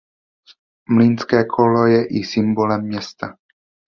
Mlýnské kolo je i symbolem města.